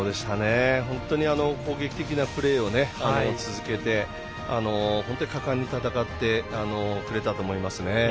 本当に攻撃的なプレーを続けて本当に果敢に戦ってくれたと思いますね。